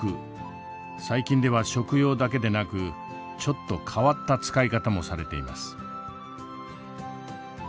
最近では食用だけでなくちょっと変わった使い方もされています。